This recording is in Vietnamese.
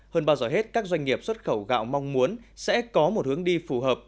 hơn bao giờ hết các doanh nghiệp xuất khẩu gạo mong muốn sẽ có một hướng đi phù hợp